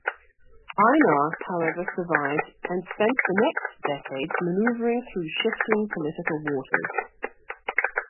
Einar, however, survived, and spent the next decades maneuvring through shifting political waters.